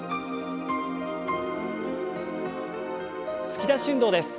突き出し運動です。